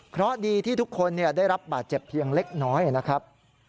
เพราะดีที่ทุกคนได้รับบาดเจ็บเพียงเล็กน้อยนะครับ